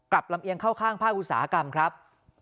ลำเอียงเข้าข้างภาคอุตสาหกรรมครับ